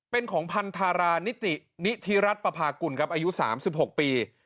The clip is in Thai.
เป็นของพันธารานิตินิธิรัตน์ปภาคุณอายุ๓๖ปี